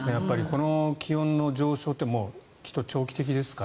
この気温の上昇って長期的ですから。